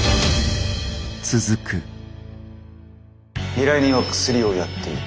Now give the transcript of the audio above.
依頼人はクスリをやっている。